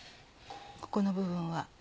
ここの部分は。